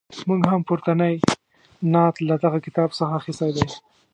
موږ هم پورتنی نعت له دغه کتاب څخه اخیستی دی.